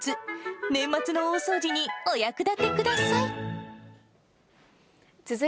年末の大掃除にお役立てください。